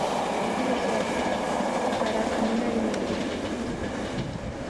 嵐や手からかみなりなどをおこす